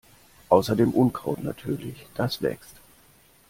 Außer dem Unkraut natürlich, das wächst.